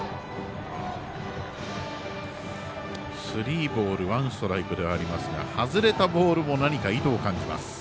スリーボールワンストライクではありますが外れたボールも何か意図を感じます。